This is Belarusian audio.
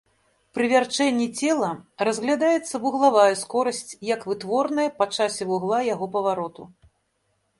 Пры вярчэнні цела разглядаецца вуглавая скорасць як вытворная па часе вугла яго павароту.